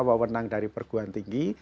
wawenang dari perguan tinggi